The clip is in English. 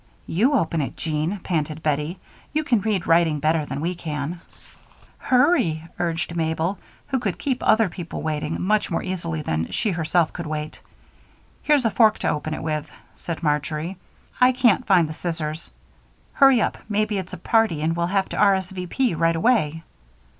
"You open it, Jean," panted Bettie. "You can read writing better than we can." "Hurry," urged Mabel, who could keep other persons waiting much more easily than she herself could wait. "Here's a fork to open it with," said Marjory. "I can't find the scissors. Hurry up; maybe it's a party and we'll have to R. S. V. P. right away."